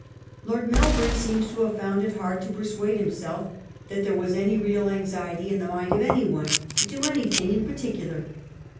Lord Melbourne seems to have found it hard to persuade himself that there was any real anxiety in the mind of anyone to do anything in par ticular.